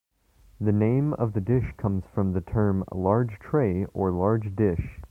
The name of the dish comes from the term "large tray" or "large dish".